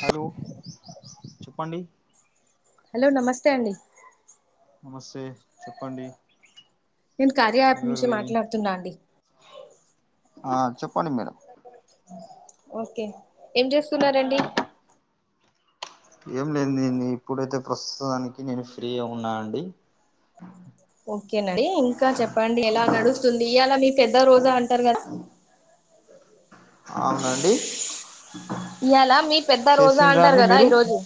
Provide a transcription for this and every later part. Hello చెప్పండి hello నమస్తే అండి నమస్తే చెప్పండి నేను కార్య యాప్ ఎవరు నుంచి మాట్లాడుతున్నా అండి ఆ చెప్పండి మేడం ఓకే ఏం చేస్తున్నారండి ఏం లేదు నే ఇప్పుడైతే ప్రస్తుతానికి నేను ఫ్రీగా ఉన్నా అండి ఓకేనండి ఇంకా చెప్పండి ఎలా నడుస్తుంది ఇవాలా మీ పెద్ద రోజా అంటారు కదా [unintelligible] ఇయలా మీ పెద్ద రోజా చేసిండ్రా అంటారు అండి కదా మీరు ఈ రోజు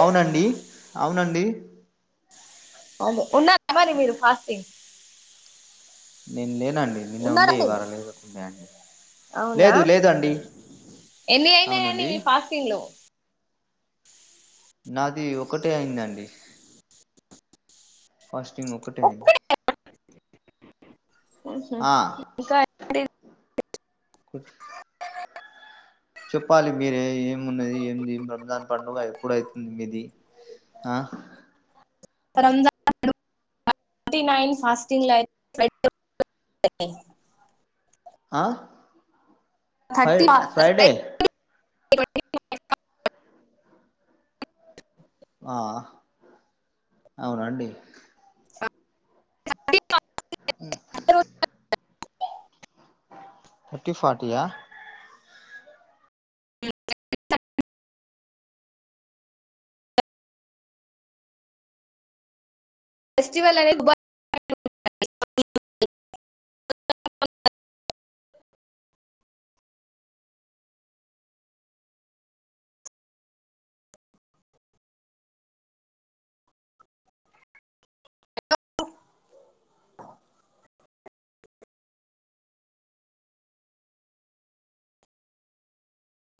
అవునండి అవునండి ఉన్నా అ మరి మీరు ఫాస్టింగ్ నే లేనండి నిన్న ఉండే ఉన్నారండి వార లే ఉండే అండి అవునా లేదు లేదు అండి ఎన్ని అయినాయండి అవునండి మీ ఫాస్టింగ్ లో నాది ఒకటే అయిందండి ఫాస్టింగ్ ఒకటే అయింది ఒక్కటే. ఉహు ఆ ఇంకా చెప్పాలి మీరే ఏమున్నది ఏమి రంజాన్ పండుగ ఎప్పుడైతుంది మీది ఆ రంజ ఫార్టీ నైన్ ఫాస్టింగ్ [unintelligible] ఆ ఫ్రై థర్టీ [inaudible] ఫ్రైడే [unintelligible] ఆ అవునండి హు థర్టీ ఫార్టీయా ఫెస్టివల్ అనేది